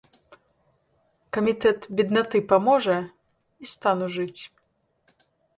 Камітэт беднаты паможа, і стану жыць.